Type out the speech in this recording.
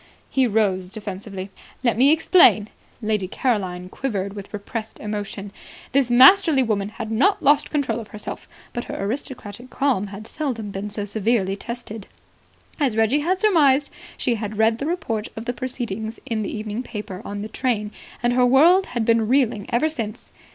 He rose defensively. "Let me explain." Lady Caroline quivered with repressed emotion. This masterly woman had not lost control of herself, but her aristocratic calm had seldom been so severely tested. As Reggie had surmised, she had read the report of the proceedings in the evening paper in the train, and her world had been reeling ever since.